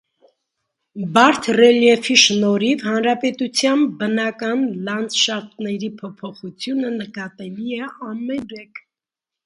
Բարդ ռելիեֆի շնորհիվ հանրապետության բնական լանդշաֆտների փոփոխությունը նկատելի է ամենուրեք։